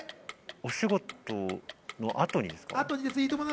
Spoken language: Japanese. お仕事の後にですか？